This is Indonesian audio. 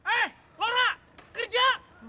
eh laura kerja